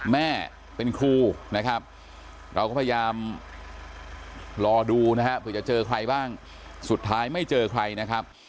แม่เป็นครูนะครับเราก็พยายามรอดูนะฮะเผื่อจะเจอใครบ้างสุดท้ายไม่เจอใครนะครับ